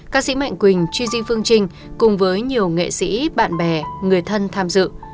các sĩ mạnh quỳnh chu di phương trinh cùng với nhiều nghệ sĩ bạn bè người thân tham dự